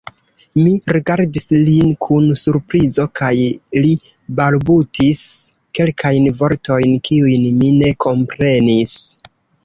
Mi rigardis lin kun surprizo kaj li balbutis kelkajn vortojn, kiujn mi ne komprenis.